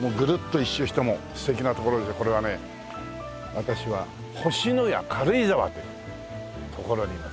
私は星のや軽井沢という所にいます。